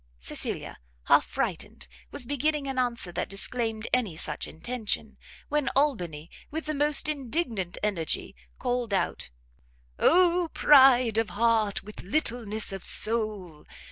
Cecilia, half frightened, was beginning an answer that disclaimed any such intention, when Albany, with the most indignant energy, called out, "Oh pride of heart, with littleness of soul!